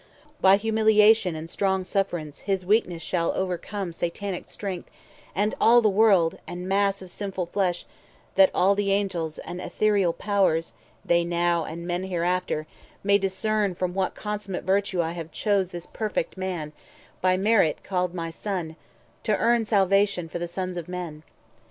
By humiliation and strong sufferance 160 His weakness shall o'ercome Satanic strength, And all the world, and mass of sinful flesh; That all the Angels and aethereal Powers— They now, and men hereafter—may discern From what consummate virtue I have chose This perfet man, by merit called my Son, To earn salvation for the sons of men."